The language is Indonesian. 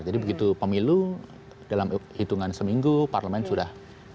jadi begitu pemilu dalam hitungan seminggu parlemen sudah aktif